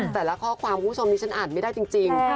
แต่ละข้อความคุณผู้ชมนี้ฉันอ่านไม่ได้จริง